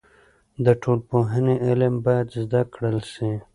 د ټولنپوهنې علم باید زده کړل سي.